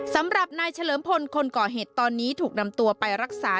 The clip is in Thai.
สำหรับนายเฉลิมพลคนก่อเหตุตอนนี้ถูกนำตัวไปรักษา